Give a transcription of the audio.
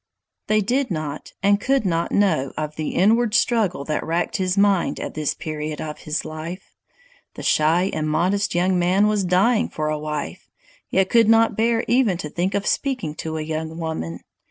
They did not and could not know of the inward struggle that racked his mind at this period of his life. The shy and modest young man was dying for a wife, yet could not bear even to think of speaking to a young woman!